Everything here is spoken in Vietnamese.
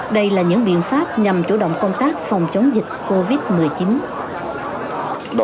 đây là những biện pháp nhằm chủ động công tác phòng chống dịch covid một mươi chín